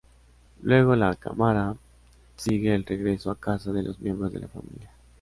Luego la cámara sigue el regreso a casa de los miembros de la familia.